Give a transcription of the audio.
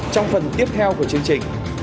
trong phần tiếp theo của chương trình